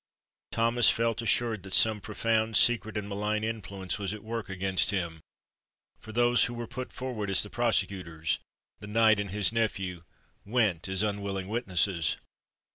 Thomas felt assured that some profound, secret, and malign influence was at work against him; for those who were put forward as the prosecutors—the knight and his nephew—went as unwilling witnesses!